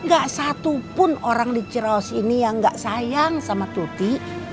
gak satupun orang di ciraos ini yang gak sayang sama tuti